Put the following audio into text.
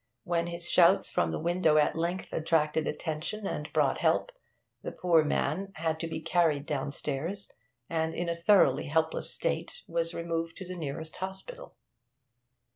When his shouts from the window at length attracted attention and brought help, the poor man had to be carried downstairs, and in a thoroughly helpless state was removed to the nearest hospital.